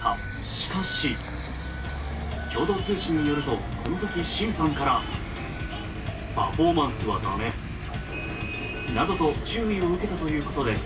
しかし共同通信によるとこのとき、審判からなどと注意を受けたということです。